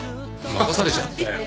任されちゃったよ。